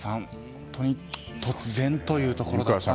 本当に突然というところで。